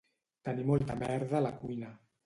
Tenir molta merda a la cuina